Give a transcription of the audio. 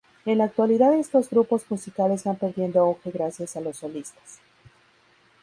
En la actualidad estos grupos musicales van perdiendo auge gracias a los solistas